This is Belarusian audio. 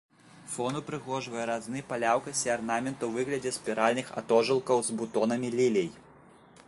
Фон упрыгожвае разны па ляўкасе арнамент у выглядзе спіральных атожылкаў з бутонамі лілей.